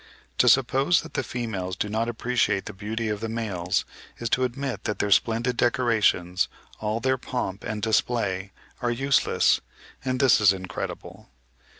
To suppose that the females do not appreciate the beauty of the males, is to admit that their splendid decorations, all their pomp and display, are useless; and this is incredible.